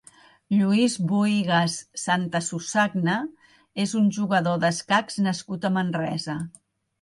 Lluís Bohigas Santasusagna és un jugador d'escacs nascut a Manresa.